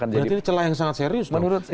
berarti ini celah yang sangat serius dong